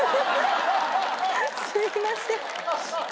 すいません。